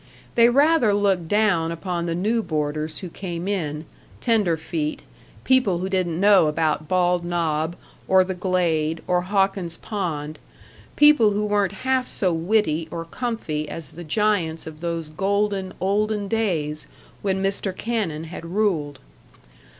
They rather looked down upon the new boarders who came in tenderfeet, people who didn't know about Bald Knob or the Glade or Hawkins's Pond, people who weren't half so witty or comfy as the giants of those golden, olden days when Mr. Cannon had ruled.